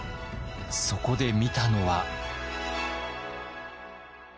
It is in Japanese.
そこで見たのは。